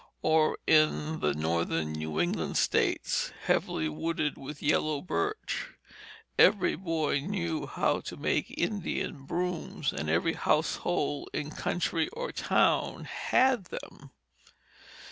For in the northern New England states, heavily wooded with yellow birch, every boy knew how to make the Indian brooms, and every household in country or town had them.